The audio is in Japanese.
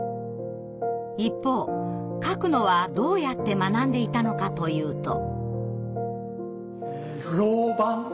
一方書くのはどうやって学んでいたのかというと。